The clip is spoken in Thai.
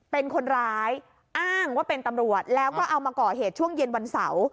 เป็นคนร้ายอ้างว่าเป็นตำรวจแล้วก็เอามาก่อเหตุช่วงเย็นวันเสาร์